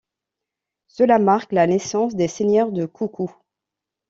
Cela marque la naissance des seigneurs de Koukou.